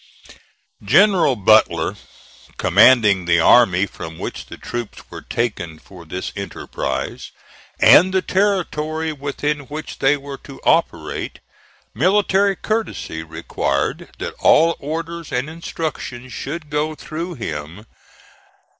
General Butler commanding the army from which the troops were taken for this enterprise, and the territory within which they were to operate, military courtesy required that all orders and instructions should go through him.